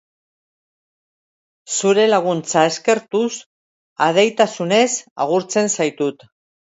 Zure laguntza eskertuz, adeitasunez agurtzen zaitut.